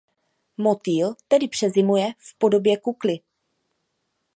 Motýl tedy přezimuje v podobě kukly.